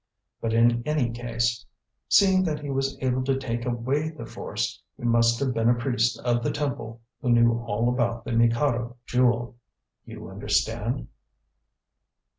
But in any case, seeing that he was able to take away the force, he must have been a priest of the Temple, who knew all about the Mikado Jewel. You understand."